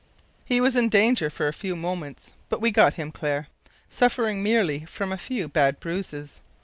He was in danger for a few moments, but we got him clear, suffering merely from a few bad bruises.